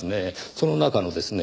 その中のですね